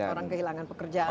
orang kehilangan pekerjaan